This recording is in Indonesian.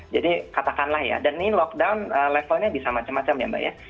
jadi katakanlah ya dan ini lockdown levelnya bisa macam macam ya mbak ya